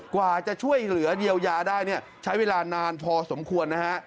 กว่าจะช่วยเหลือเยียวยาได้เนี่ยใช้เวลานานพอสมควรนะฮะ